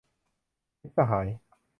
มิตรสหาย